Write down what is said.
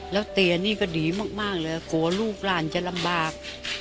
แล้วเตียนี่ก็ดีมากเลยกลัวลูกหลานจะลำบาก